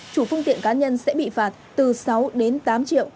chủ phương tiện cá nhân sẽ bị phạt từ sáu đến tám triệu